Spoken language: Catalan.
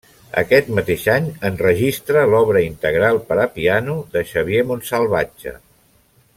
Aquest mateix any enregistra l'obra integral per a piano de Xavier Montsalvatge.